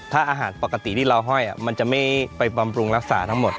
ถ้าอาหารปกติที่เราห้อยมันจะไม่ไปบำรุงรักษาทั้งหมด